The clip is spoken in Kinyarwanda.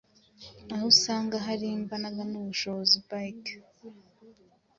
Aho usanga hari imbaraga n’ubushobozi bike,